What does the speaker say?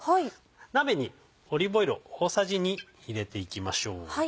鍋にオリーブオイルを大さじ２入れていきましょう。